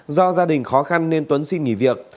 do gia đình khó khăn nên tuấn xin nghỉ việc